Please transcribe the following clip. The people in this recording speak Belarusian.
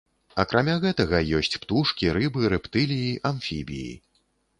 Акрамя гэтага ёсць птушкі, рыбы, рэптыліі, амфібіі.